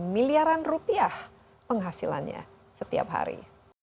enam miliaran rupiah penghasilannya setiap hari